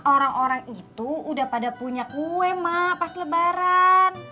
orang orang itu udah pada punya kue mak pas lebaran